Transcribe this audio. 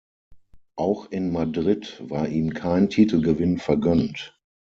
Auch in Madrid war ihm kein Titelgewinn vergönnt.